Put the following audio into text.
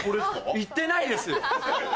言ってないですよ。